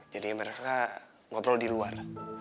mereka ngobrol di luar